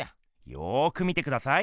よく見てください！